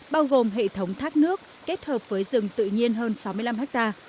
bao gồm hệ thống thác nước kết hợp với rừng tự nhiên hơn sáu mươi năm ha